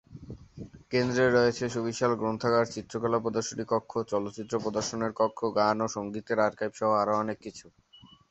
কেন্দ্রে রয়েছে সুবিশাল গ্রন্থাগার, চিত্রকলা প্রদর্শনী কক্ষ, চলচ্চিত্র প্রদর্শনের কক্ষ, গান ও সঙ্গীতের আর্কাইভ সহ আরও অনেক কিছু।